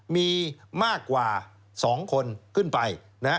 มีมากกว่า๒คนขึ้นไป